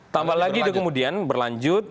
tambah lagi kemudian berlanjut